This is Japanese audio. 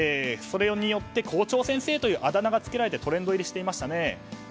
それによって、校長先生というあだ名がつけられてトレンド入りしていましたね。